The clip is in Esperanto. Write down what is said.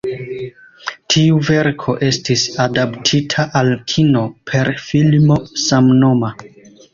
Tiu verko estis adaptita al kino, per filmo samnoma.